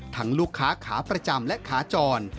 ลูกค้าขาประจำและขาจร